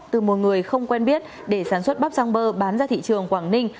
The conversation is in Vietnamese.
từ một người không quen biết để sản xuất bắp sáng bơ bán ra thị trường quảng ninh